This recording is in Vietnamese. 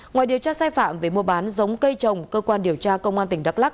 ngoài điều tra sai phạm về mua bán giống cây trồng cơ quan điều tra công an tỉnh đắk lắc